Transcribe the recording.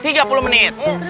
terima kasih pak helo kiti